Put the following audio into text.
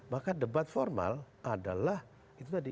maka debat formal adalah itu tadi